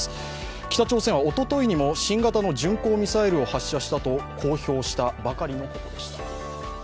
北朝鮮はおとといにも新型の巡航ミサイルを発射したと公表したばかりのことでした。